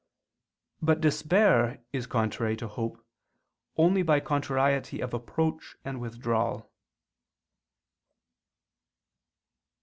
But despair is contrary to hope, only by contrariety of approach and withdrawal.